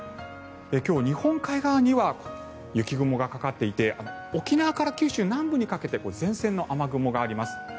今日、日本海側には雪雲がかかっていて沖縄から九州南部にかけて前線の雨雲があります。